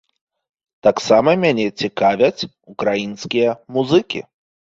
Таксама мяне цікавяць украінскія музыкі.